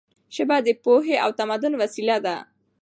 ژبه د پوهې او تمدن وسیله ده.